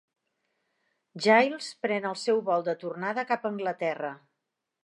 Giles pren el seu vol de tornada cap a Anglaterra.